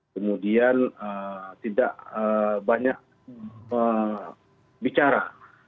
kemudian tidak banyak bicara